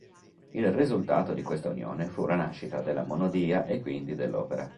Il risultato di questa unione fu la nascita della monodia e quindi dell'opera.